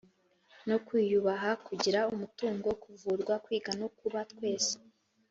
no kwiyubaha, kugira umutungo, kuvurwa, kwiga no kuba twese